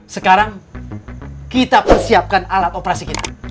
sekarang kita persiapkan alat operasi kita